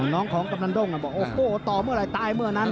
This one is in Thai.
น้องของกำนันด้งบอกโอ้โหต่อเมื่อไหร่ตายเมื่อนั้น